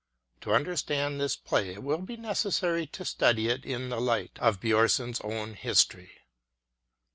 To understand this play it will be necessary to study it in the light of Bjorn son's own history.